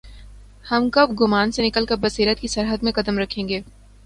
ہم کب گمان سے نکل کربصیرت کی سرحد میں قدم رکھیں گے؟